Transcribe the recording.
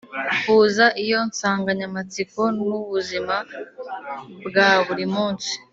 huza iyo nsanganyamatsiko n’ubuzima bwa buri munsi.